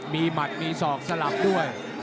มีหมัดมีศอกสลับด้วย